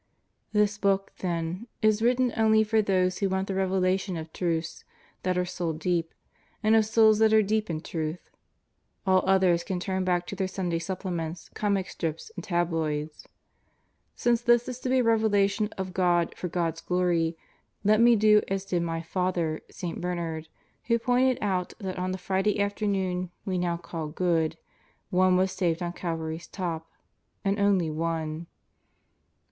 This book, then, is written only for those who want the revela tion of truths that are soul deep and of souls that are deep in Truth. All others can turn back to their Sunday supplements, comic strips, and tabloids. Since this is to be a revelation of God for God's glory, let me do as did my father St. Bernard, who pointed out that on the Friday afternoon we now call "Good" one was saved on Calvary's top and only one.